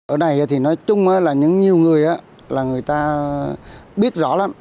ở này thì nói chung là nhiều người là người ta biết rõ lắm